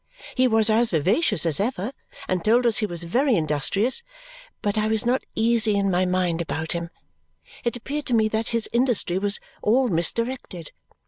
He was as vivacious as ever and told us he was very industrious, but I was not easy in my mind about him. It appeared to me that his industry was all misdirected.